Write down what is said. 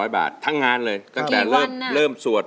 ๓๐๐บาททั้งงานเลยกลิ่นสวดจนเผาเนี่ย